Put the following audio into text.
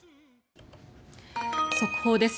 速報です。